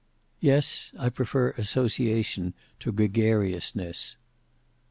"Yes; I prefer association to gregariousness."